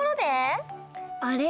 あれ？